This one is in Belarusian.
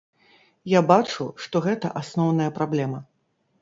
Я бачу, што гэта асноўная праблема.